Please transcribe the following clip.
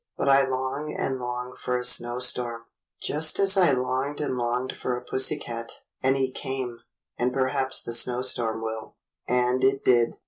But I long and long for a snowstorm, just as I longed and longed for a pussy cat, and he came, and perhaps the snowstorm will." And it did.